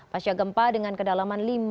pasca gempa dengan kedalaman